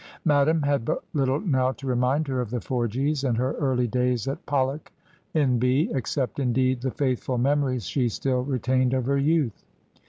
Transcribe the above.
Madame had but little now to remind her of the Forgies and her early days at PoUok, N.B., except indeed the faithful memories she still retained of her youth.